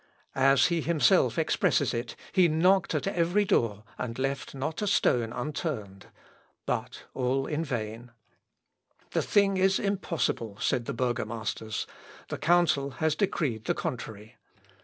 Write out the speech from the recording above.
As he himself expresses it, he knocked at every door, and left not a stone unturned, but all in vain! "The thing is impossible," said the burgomasters; "the Council has decreed the contrary."